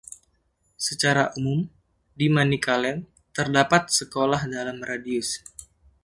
Secara umum, di Manicaland, terdapat sekolah dalam radius.